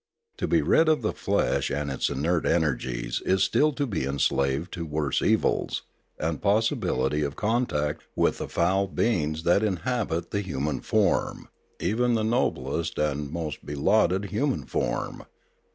To be rid of the flesh and its inert energies is still to be enslaved to worse evils, the possi bility of contact with the foul beings that inhabit the human form, even the noblest and most belauded hu man form.